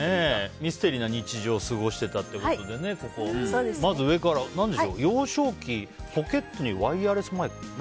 ミステリーな日常を過ごしていたということで幼少期ポケットにワイヤレスマイク？